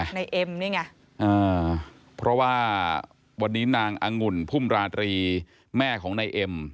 ในเอ็มนี่ไงเพราะว่าวันนี้นางองุ่นพุ่มราตรีแม่ของนายเอ็ม